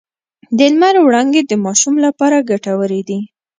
د لمر وړانګې د ماشوم لپاره ګټورې دي۔